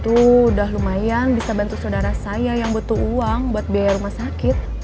itu sudah lumayan bisa bantu saudara saya yang butuh uang untuk vip rumah sakit